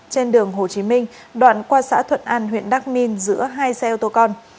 trên đường hồ chí minh đoạn qua xã thuận an huyện đắc minh giữa hai xe ô tô con